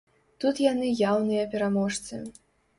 Тут яны яўныя пераможцы.